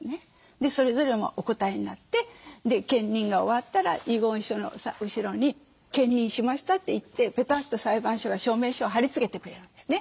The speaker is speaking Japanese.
でそれぞれもお答えになって検認が終わったら遺言書の後ろに検認しましたといってぺたっと裁判所が証明書を貼り付けてくれるんですね。